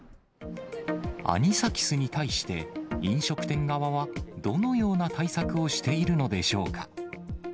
アニサキスに対して、飲食店側は、どのような対策をしているのでしょうか。